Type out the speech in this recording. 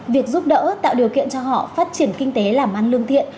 việc giúp đỡ tạo điều kiện cho họ phát triển kinh tế làm ăn lương thiện